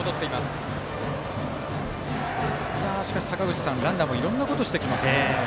坂口さん、ランナーはいろんなことしてきますね。